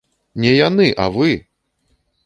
Не яны, а вы!